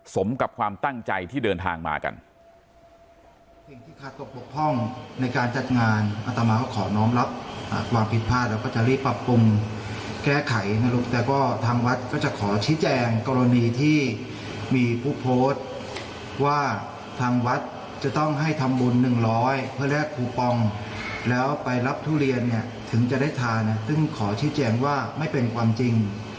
สมกับความตั้งใจที่เดินทางมากัน